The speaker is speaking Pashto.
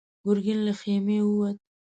ګرګين له خيمې ووت.